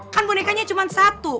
kan bonekanya cuma satu